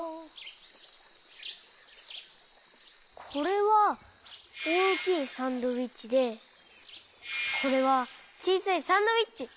これはおおきいサンドイッチでこれはちいさいサンドイッチ。